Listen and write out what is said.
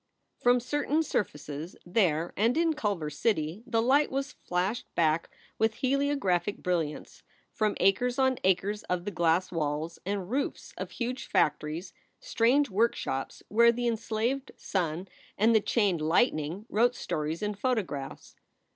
From certain surfaces there and in Culver City the light was flashed back with heliographic brilliance from acres on acres of the glass walls and roofs of huge factories, strange workshops where the enslaved sun and the chained lightning wrote stories in photographs.